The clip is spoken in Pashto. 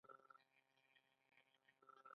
خو خلک یې ګرم زړونه لري.